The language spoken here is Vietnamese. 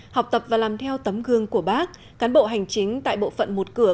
học tập và làm theo tấm gương của bác cán bộ hành chính tại bộ phận một cửa